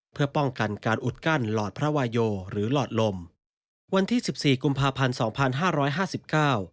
เพื่อป้องกันการอุดกั้นหลอดพระวาโยหรือหลอดลมวันที่สิบสี่กุมภาพันธ์สองพันห้าร้อยห้าสิบเก้า